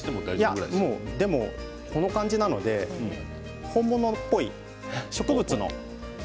この感じなので本物っぽい植物の。